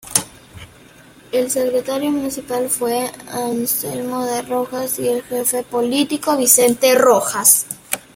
El secretario Municipal fue Anselmo de Rojas y el Jefe Político Vicente Rojas.